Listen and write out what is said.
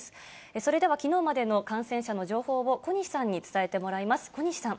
それではきのうまでの感染者の情報を小西さんに伝えてもらいます。